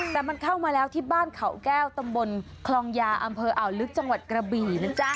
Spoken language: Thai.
แต่มันเข้ามาแล้วที่บ้านเขาแก้วตำบลคลองยาอำเภออ่าวลึกจังหวัดกระบี่นะจ๊ะ